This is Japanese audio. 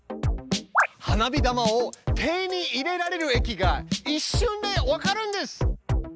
花火玉を手に入れられる駅が一瞬で分かるんです！